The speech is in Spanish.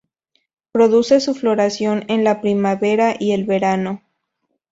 Produce su floración en la primavera y el verano.